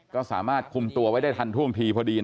ก็สามารถคุมตัวไว้ได้ทันท่วงทีพอดี